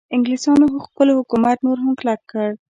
انګلیسانو خپل حکومت نور هم کلک کړ.